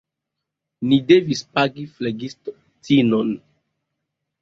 Ni devis pagi flegistinon.